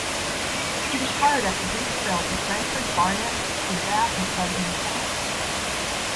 He retired after brief spells with Brentford, Barnet, Team Bath and Clevedon Town.